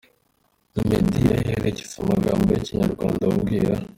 Meddy, ayiherekeza amagambo y’Ikinyarwanda abwira